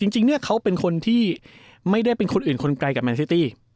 ชิ่งนี้เค้าเป็นคนที่ไม่ได้เป็นคนอื่นคนไกลแมนสิตี้